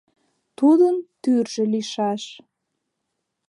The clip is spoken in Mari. Тудын тӱржӧ лийшаш.